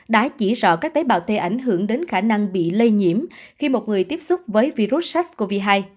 đã chỉ rõ các tế bào t ảnh hưởng đến khả năng bị lây nhiễm khi một người tiếp xúc với virus sars cov hai